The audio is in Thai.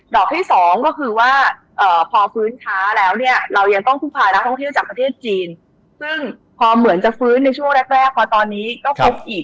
อกที่สองก็คือว่าพอฟื้นช้าแล้วเนี่ยเรายังต้องพึ่งพานักท่องเที่ยวจากประเทศจีนซึ่งพอเหมือนจะฟื้นในช่วงแรกแรกพอตอนนี้ก็ครบอีก